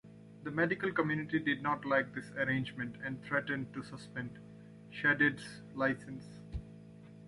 The medical community did not like this arrangement and threatened to suspend Shadid's licence.